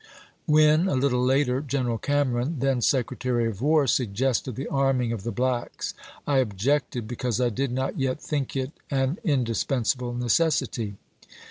When, a little later, Generai Cameron, then Secretary of War, suggested the arming of the blacks, I objected be cause I did not yet think it an indispensable necessity.